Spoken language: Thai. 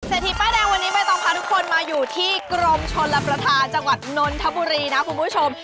ทีป้ายแดงวันนี้ใบตองพาทุกคนมาอยู่ที่กรมชลประธานจังหวัดนนทบุรีนะคุณผู้ชม